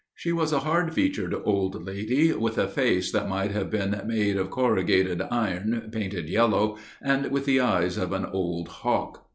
She was a hard featured old lady, with a face that might have been made of corrugated iron painted yellow and with the eyes of an old hawk.